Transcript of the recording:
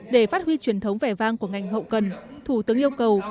để phát huy truyền thống vẻ vang của ngành hậu cần thủ tướng yêu cầu